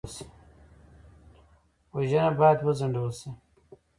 وژنه باید وځنډول شي